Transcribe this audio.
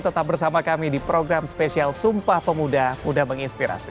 tetap bersama kami di program spesial sumpah pemuda muda menginspirasi